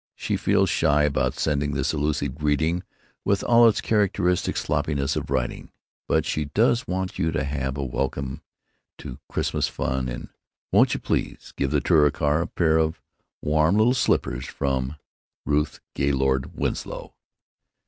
She feels shy about sending this effusive greeting with all its characteristic sloppiness of writing, but she does want you to have a welcome to Xmas fun, & won't you please give the Touricar a pair of warm little slippers from Ruth Gaylord Winslow.